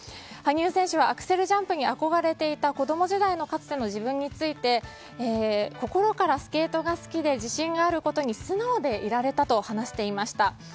羽生選手はアクセルジャンプに憧れていた子供時代のかつての自分について心からスケートが好きで自信があることに素直でいられたと話していました。